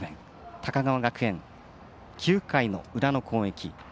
高川学園９回の裏の攻撃。